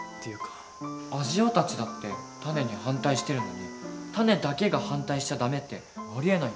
アジオたちだってタネに反対してるのにタネだけが反対しちゃ駄目ってありえない。